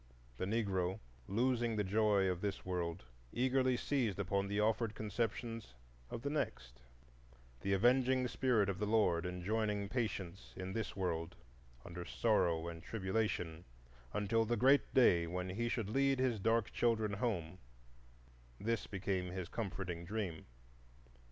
The Negro, losing the joy of this world, eagerly seized upon the offered conceptions of the next; the avenging Spirit of the Lord enjoining patience in this world, under sorrow and tribulation until the Great Day when He should lead His dark children home,—this became his comforting dream.